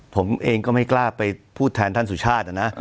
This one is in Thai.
ผมเองก็ไม่กล้าไปพูดแทนท่านสุชาตินะ